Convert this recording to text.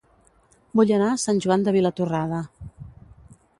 Vull anar a Sant Joan de Vilatorrada